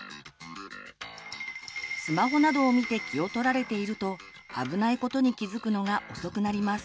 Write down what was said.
スマホなどを見て気をとられているとあぶないことに気付くのが遅くなります。